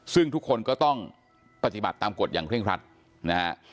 ซึ่งทุกคนก็ต้องปฏิบัติตามกฎอย่างเร่งครัดนะฮะ